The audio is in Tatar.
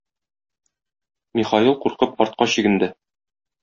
Михаил куркып артка чигенде.